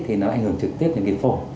thì nó ảnh hưởng trực tiếp đến cái phổ